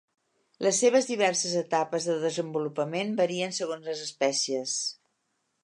Les seves diverses etapes de desenvolupament varien segons les espècies.